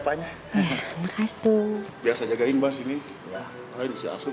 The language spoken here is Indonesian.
biasa jagain bahas ini